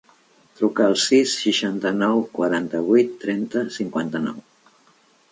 Truca al sis, seixanta-nou, quaranta-vuit, trenta, cinquanta-nou.